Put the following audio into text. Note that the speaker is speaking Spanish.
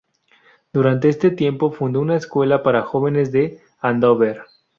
Durante ese tiempo fundó una escuela para jóvenes de Andover.